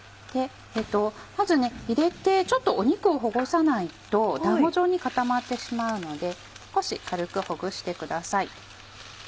まず入れてちょっと肉をほぐさないと団子状に固まってしまうので少し軽くほぐしてください。